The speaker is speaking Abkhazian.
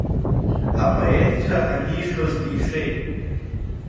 Апоетцәа анишоз дишеит.